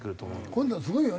今度はすごいよね